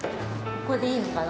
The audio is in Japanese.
ここでいいのかな。